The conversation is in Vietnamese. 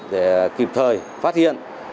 để kịp thời phát hiện